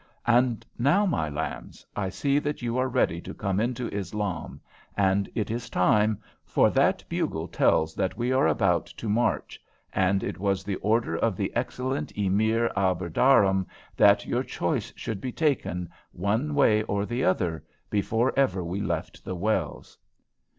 And now, my lambs, I see that you are ready to come into Islam, and it is time, for that bugle tells that we are about to march, and it was the order of the excellent Emir Abderrahman that your choice should be taken, one way or the other, before ever we left the wells."